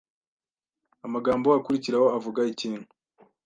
amagambo akurikiraho avuga ikintu